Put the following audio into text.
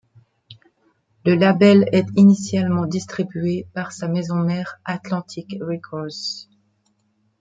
Le label est initialement distribué par sa maison-mère Atlantic Records.